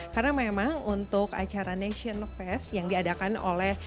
karena memang untuk acara nation fest yang diadakan oleh